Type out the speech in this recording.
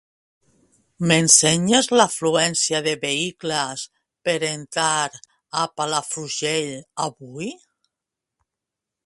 M'ensenyes l'afluència de vehicles per entrar a Palafrugell avui?